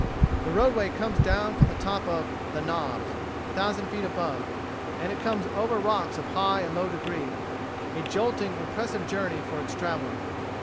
The roadway comes down from the top of "The Knobs," a thousand feet above, and it comes over rocks of high and low degree, a jolting, impressive journey for its traveler.